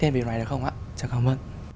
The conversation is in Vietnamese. thêm điều này được không ạ cháu cảm ơn